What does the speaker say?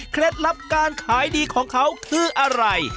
ลับการขายดีของเขาคืออะไร